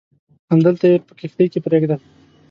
همدلته یې په کښتۍ کې پرېږده.